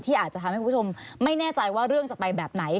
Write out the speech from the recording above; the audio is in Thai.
อาจจะทำให้คุณผู้ชมไม่แน่ใจว่าเรื่องจะไปแบบไหน